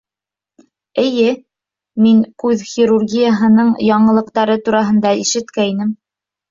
Эйе, мин күҙ хирургияһының яңылыҡтары тураһында ишеткәйнем